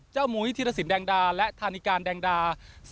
เจ้ามุยธิรษสินดังดาและธานิกาลแดงดา